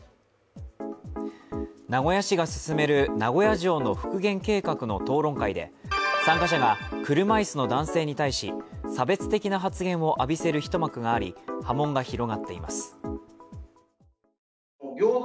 名古屋市が進める名古屋城の復元計画の討論会で参加者が車椅子の男性に対し差別的な発言を浴びせる一幕があり波紋が広がっています。